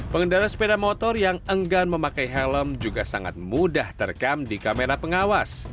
pengendara sepeda motor yang enggan memakai helm juga sangat mudah terekam di kamera pengawas